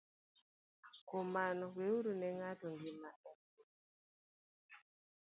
Kuom mano, weuru ne ng'ato gima en - go,